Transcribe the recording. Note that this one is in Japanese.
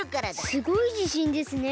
すごいじしんですね。